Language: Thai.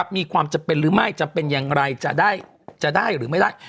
มีความจำเป็นหรือไม่จะเป็นอย่างไรจะได้หรือไม่ได้